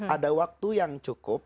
ada waktu yang cukup